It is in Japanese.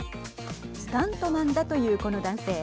スタントマンだというこの男性。